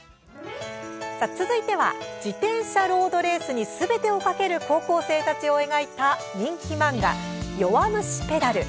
続いては、自転車ロードレースにすべてを懸ける高校生たちを描いた人気漫画「弱虫ペダル」。